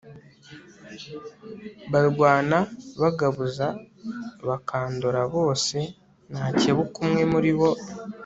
barwana bagabuza bakandora bose nakebuka umwe muri bo